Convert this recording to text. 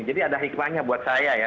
jadi ada hikmahnya buat saya ya